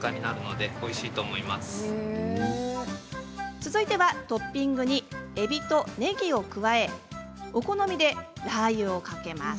次は、トッピングにえびとねぎを加えお好みでラーユをかけます。